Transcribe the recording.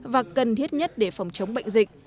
và cần thiết nhất để phòng chống bệnh dịch